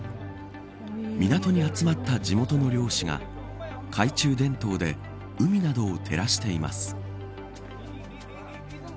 港に集まった地元の漁師が懐中電灯で海などを照らしています。